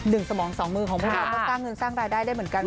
สมองสองมือของพวกเราก็สร้างเงินสร้างรายได้ได้เหมือนกัน